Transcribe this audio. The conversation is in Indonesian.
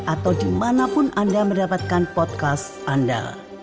atau dimanapun anda mendapatkan podcast anda